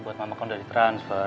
buat mama kau udah di transfer